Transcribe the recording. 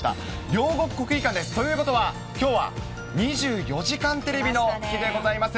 両国国技館です、ということは、きょうは２４時間テレビの日でございます。